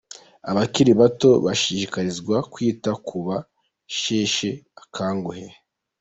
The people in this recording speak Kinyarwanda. Abakiri bato bashishikarizwa kwita ku basheshe akanguhe